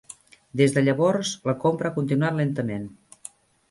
Des de llavors, la compra ha continuat lentament.